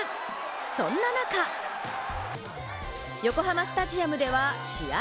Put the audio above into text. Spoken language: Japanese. そんな中、横浜スタジアムでは試合